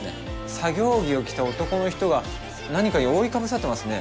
作業着を着た男の人が何かに覆いかぶさってますね。